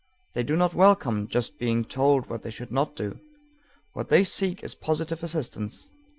They do not welcome just being told what they should not do. What they seek is positive assistance.